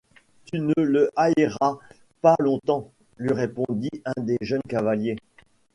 Tu ne le haïras pas longtemps! lui répondit un des jeunes cavaliers.